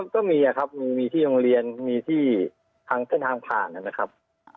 ก็มีครับมีที่โรงเรียนมีที่ทางเส้นทางผ่านนะครับ